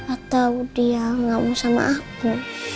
atau dia nggak mau sama aku